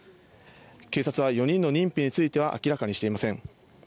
警察は４人の認否については明らかにしていません。